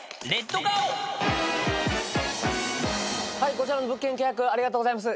こちらの物件契約ありがとうございます。